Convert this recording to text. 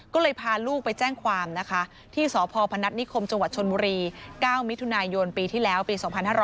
ก็เลยพาลูกไปแจ้งความที่สพนนิคมจชนมุรี๙มิถุนายนปีที่แล้วปี๒๕๖๐